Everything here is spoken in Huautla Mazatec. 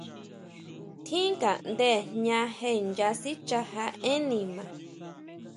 Tjín ngaʼnde jña je nya sichaja énn nima.